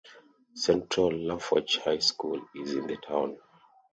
Central Lafourche High School is in the town.